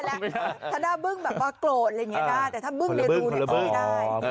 ถ้าหน้าเบิ้งแบบว่ากลดอะไรอย่างเงี้ยได้แต่ถ้าเบิ้งในรูก็ไม่ได้